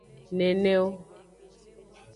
Neneo.